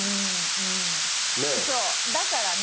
そうだからね